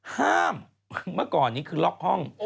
ห้ามเมื่อก่อนนี้คือล็อกห้อง